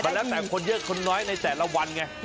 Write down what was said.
แล้วแต่คนเยอะคนน้อยในแต่ละวันไง